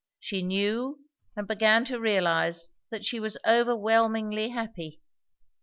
She knew and began to realize that she was overwhelmingly happy.